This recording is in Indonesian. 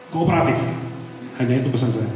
kooperatif hanya itu pesan saja